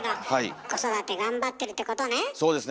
子育て頑張ってるってことね。